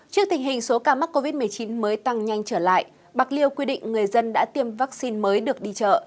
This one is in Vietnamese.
trước tình hình số ca mắc covid một mươi chín mới tăng nhanh trở lại bạc liêu quy định người dân đã tiêm vaccine mới được đi chợ